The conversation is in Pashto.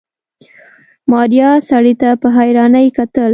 ماريا سړي ته په حيرانۍ کتل.